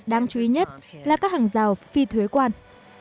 đáng chú ý nhất là các hàng rào phi thuế quan